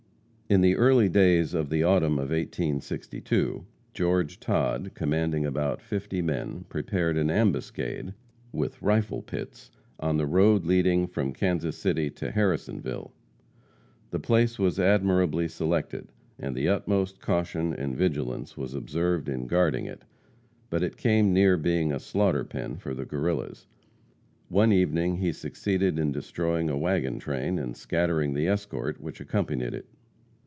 In the early days of the autumn of 1862, George Todd, commanding about fifty men, prepared an ambuscade, with rifle pits, on the road leading from Kansas City to Harrisonville. The place was admirably selected, and the utmost caution and vigilance was observed in guarding it, but it came near being a slaughter pen for the Guerrillas. One evening he succeeded in destroying a wagon train, and scattering the escort which accompanied it.